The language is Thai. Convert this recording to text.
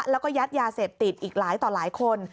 แล้วก็ยัดยาเสพติดอีกหลายต่อหลายคน